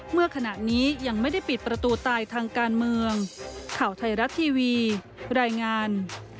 ขณะนี้ยังไม่ได้ปิดประตูตายทางการเมืองข่าวไทยรัฐทีวีรายงาน